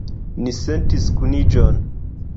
Ni sentis kuniĝon.